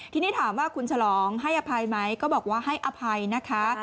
ทีนี้ถามว่าคุณฉลองให้อภัยไหมก็บอกว่าให้อภัยนะคะ